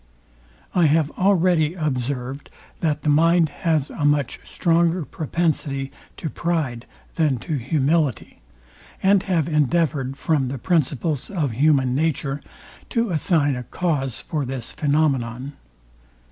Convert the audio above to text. I have already observed, that the mind has a much stronger propensity to pride than to humility, and have endeavoured, from the principles of human nature, to assign a cause for this phænomenon.